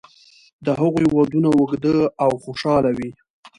د هغوی ودونه اوږده او خوشاله وي.